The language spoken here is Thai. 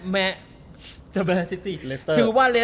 แม